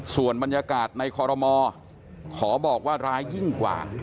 ส่วนบรรยากาศในคอรมอขอบอกว่าร้ายยิ่งกว่า